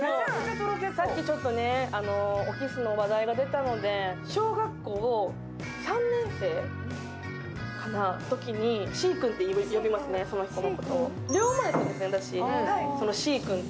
さっきちょっと、おキスの話題が出たので、小学校３年生のときにシー君と呼びますね、その子のこと。